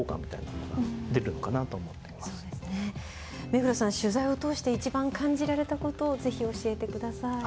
目黒さん取材を通して一番感じられた事をぜひ教えてください。